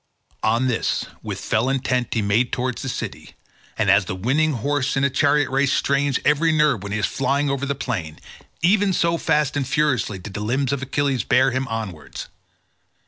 On this, with fell intent he made towards the city, and as the winning horse in a chariot race strains every nerve when he is flying over the plain, even so fast and furiously did the limbs of Achilles bear him onwards.